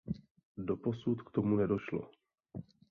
Doposud k tomu nedošlo.